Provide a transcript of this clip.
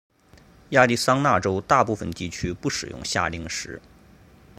亚利桑那州大部分地区不使用夏令时。